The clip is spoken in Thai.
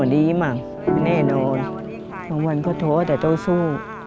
ติดโทษแต่ต้องสู้